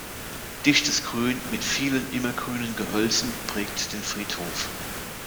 Dichtes Grün mit vielen immergrünen Gehölzen prägt den Friedhof.